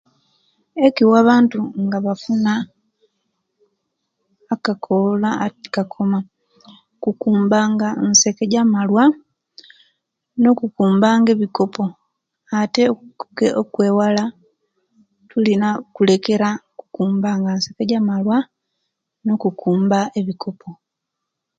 Ekiwa abantu nga bafuna okakoolo etikakoma kukumba nga nseke ja malwa no kukumba nga ebikopo ate okukewala tulina kulekera okumba nga nseke ja malwa nokukumba ebikopo